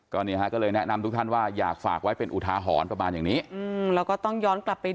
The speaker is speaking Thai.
ก็เลยแนะนำทุกท่านว่าอยากฝากไว้เป็นอุทาหอนประมาณอย่างนี้